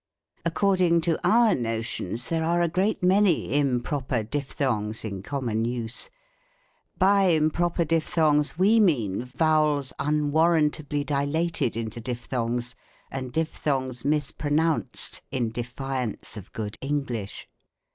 According to our notions there are a great many improper dipthongs in common use. By improper dipthongs we mean vowels unwarrantably dilated into dipthongs, and dipthongs mispronounced, in defiance of good English.